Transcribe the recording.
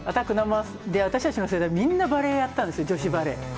アタックＮｏ．１で、私たちの世代、みんなバレーやってたんですよ、女子バレー。